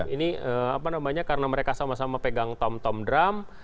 ini apa namanya karena mereka sama sama pegang tom tom drum